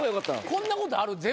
こんなことある？